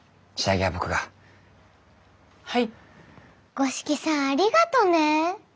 五色さんありがとね。